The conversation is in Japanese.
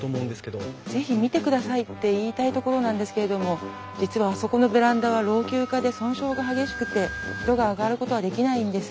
是非見てくださいって言いたいところなんですけれども実はあそこのベランダは老朽化で損傷が激しくて人が上がることはできないんです。